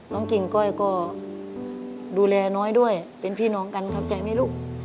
กิ่งก้อยก็ดูแลน้อยด้วยเป็นพี่น้องกันครับใจไหมลูก